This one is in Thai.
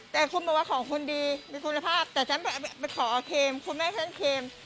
แต่คุณบอกว่าของคุณดีมีคุณภาพแต่ฉันไปขอเคมคุณแม่ฉันเคม